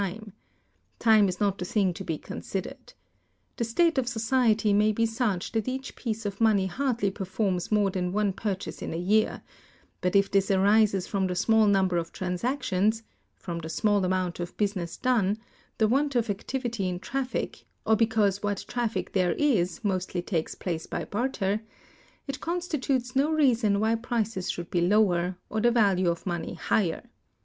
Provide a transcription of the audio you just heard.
Time is not the thing to be considered. The state of society may be such that each piece of money hardly performs more than one purchase in a year; but if this arises from the small number of transactions—from the small amount of business done, the want of activity in traffic, or because what traffic there is mostly takes place by barter—it constitutes no reason why prices should be lower, or the value of money higher.